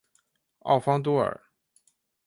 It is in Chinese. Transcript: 奥方多尔。